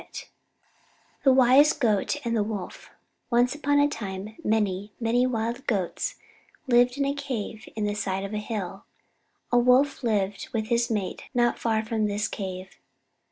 XVIII THE WISE GOAT AND THE WOLF Once upon a time, many, many wild Goats lived in a cave in the side of a hill. A Wolf lived with his mate not far from this cave.